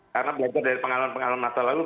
karena belajar dari pengalaman pengalaman masa lalu